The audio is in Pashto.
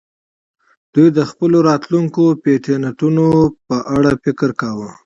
دوی د خپلو راتلونکو پیټینټونو په اړه فکر کاوه